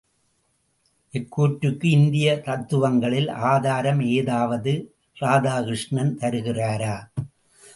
இக்கூற்றுக்கு இந்திய தத்துவங்களில் ஆதாரம் ஏதாவது ராதாகிருஷ்ணன் தருகிறாரா?